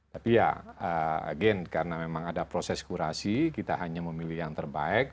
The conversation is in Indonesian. tapi ya again karena memang ada proses kurasi kita hanya memilih yang terbaik